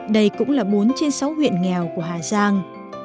đây cũng là bốn trên sáu huyện nghèo của hà giang